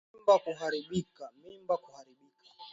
Mimba kuharibika